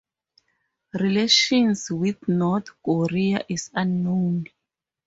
Relations with North Korea is unknown.